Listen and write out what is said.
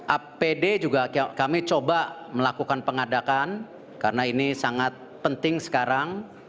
apd juga kami coba melakukan pengadakan karena ini sangat penting sekarang